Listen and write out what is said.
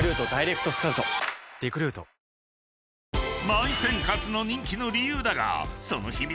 ［「まい泉」カツの人気の理由だがその］